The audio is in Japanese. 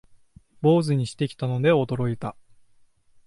坊主にしてきたので驚いた